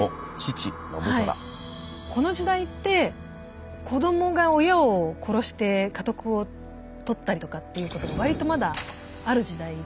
この時代って子どもが親を殺して家督をとったりとかっていうことが割とまだある時代じゃないですか。